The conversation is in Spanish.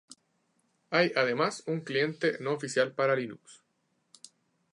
Hay además un cliente no oficial para Linux.